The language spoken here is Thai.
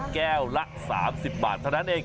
แก้วละ๓๐บาทเท่านั้นเอง